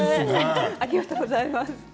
ありがとうございます。